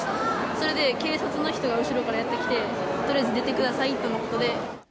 それで警察の人が後ろからやって来て、とりあえず出てくださいとのことで。